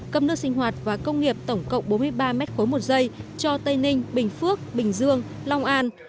cấp nước sinh hoạt và công nghiệp tổng cộng bốn mươi ba m ba một giây cho tây ninh bình phước bình dương long an